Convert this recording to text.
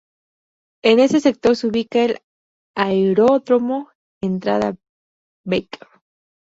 En este sector se ubica el Aeródromo Entrada Baker.